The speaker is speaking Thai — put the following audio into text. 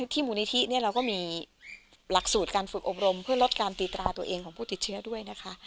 ที่มูลนิธิเราก็มีหลักสูตรการฝึกอบรมเพื่อลดการตีตราตัวเองของผู้ติดเชื้อด้วยนะคะ